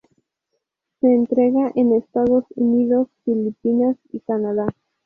Se entrega en Estados Unidos, Filipinas y Canadá.